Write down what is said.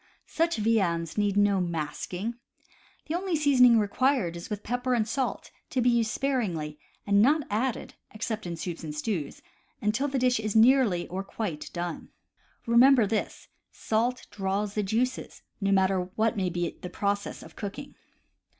Such viands need no masking. The only seasoning required is with pepper and salt, to be used sparingly, and not added (except in soups and stews) until the dish is nearly or quite done. Remember this: salt draws the juices, no mat ter what may be the process of cooking.